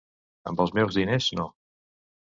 Amb els meus diners no!